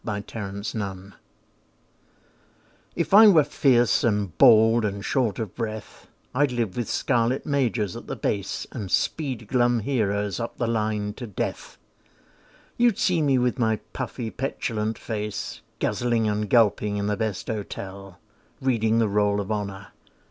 BASE DETAILS If I were fierce, and bald, and short of breath, I'd live with scarlet Majors at the Base, And speed glum heroes up the line to death. You'd see me with my puffy petulant face, Guzzling and gulping in the best hotel, Reading the Roll of Honour.